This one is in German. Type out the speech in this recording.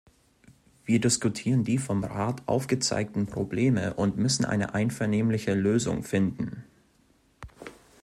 Wir diskutieren die vom Rat aufgezeigten Probleme und müssen eine einvernehmliche Lösung finden.